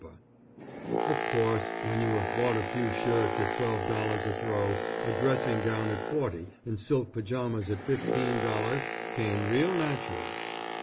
Of course when you had bought a few shirts at twelve dollars a throw, a dressing gown at forty, and silk pajamas at $15 came real natural.